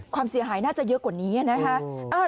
ความเสียหายน่าจะเยอะกว่านี้นะคะ